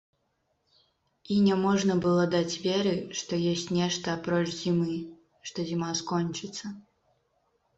І няможна было даць веры, што ёсць нешта, апроч зімы, што зіма скончыцца.